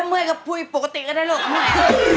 ถ้าเมื่อกับผู้อิปกติก็ได้เลย